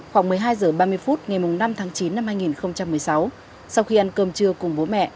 khoảng một mươi hai h ba mươi phút ngày năm tháng chín năm hai nghìn một mươi sáu sau khi ăn cơm trưa cùng bố mẹ